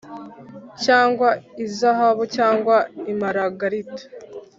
cyangwa izahabu cyangwa imaragarita